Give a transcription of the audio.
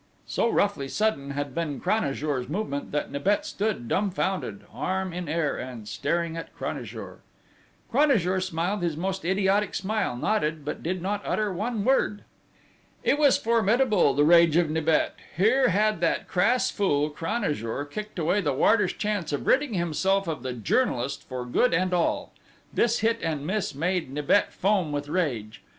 So roughly sudden had been Cranajour's movement that Nibet stood dumbfounded, arm in air, and staring at Cranajour: Cranajour smiled his most idiotic smile, nodded, but did not utter one word!... It was formidable, the rage of Nibet! Here had that crass fool, Cranajour, kicked away the warder's chance of ridding himself of the journalist for good and all! This hit and miss made Nibet foam with rage.